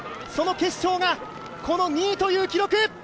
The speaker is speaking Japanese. その結晶が、この２位という記録。